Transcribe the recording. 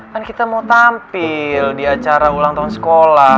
kan kita mau tampil di acara ulang tahun sekolah